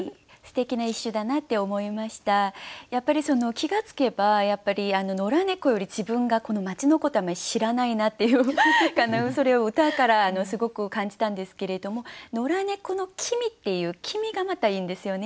気が付けばやっぱり野良猫より自分がこの町のことあんまり知らないなっていうそれを歌からすごく感じたんですけれども「ノラ猫の君」っていう「君」がまたいいんですよね。